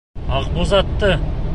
Аҡбуҙатты!